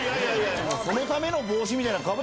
そのための帽子みたいな。